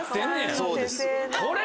そうです。